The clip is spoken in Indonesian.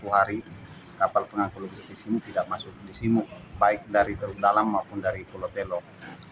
dua puluh satu hari kapal pengangkul di simuk tidak masuk di simuk baik dari terdalam maupun dari pulau telok